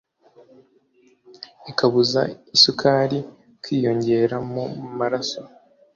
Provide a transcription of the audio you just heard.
ikabuza isukari kwiyongera mu maraso.